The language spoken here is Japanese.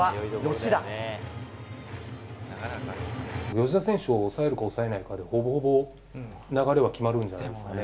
吉田選手を抑えるか抑えないかでほぼほぼ流れは決まるんじゃないんですかね。